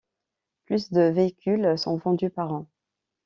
Plus de véhicules sont vendus par an.